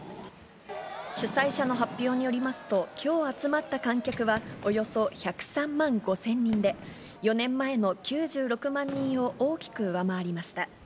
主催者の発表によりますと、きょう集まった観客はおよそ１０３万５０００人で、４年前の９６万人を大きく上回りました。